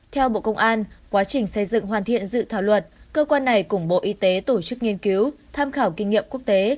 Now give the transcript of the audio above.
theo bộ công an quá trình xây dựng hoàn thiện dự thảo luật cơ quan này cùng bộ y tế tổ chức nghiên cứu tham khảo kinh nghiệm quốc tế